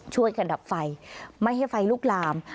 ช่วยกันดับไฟไม่ให้ไฟลุกลาม